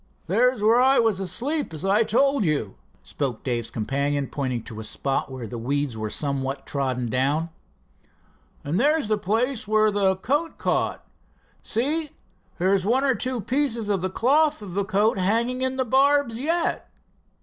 "There's where I was asleep, as I told you," spoke Dave's companion, pointing to a spot where the weeds were somewhat trodden down. "And there's the place where the coat caught. See, there's one or two pieces of the cloth of the coat hanging in the barbs yet."